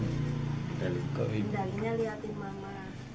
mendalinya diliatin mama